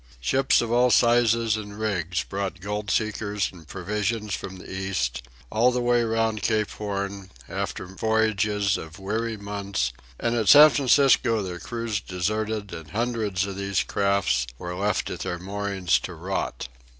Ships of all sizes and rigs brought gold seekers and provisions from the East, all the way round Cape Horn, after voyages of weary months, and at San Francisco their crews deserted and hundreds of these craft were left at their moorings to rot.